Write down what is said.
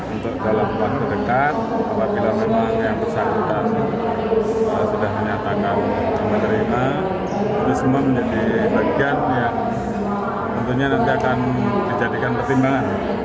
untuk dalam waktu dekat apabila memang yang bersangkutan sudah menyatakan menerima itu semua menjadi bagian yang tentunya nanti akan dijadikan pertimbangan